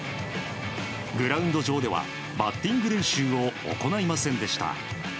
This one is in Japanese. グラウンド上ではバッティング練習を行いませんでした。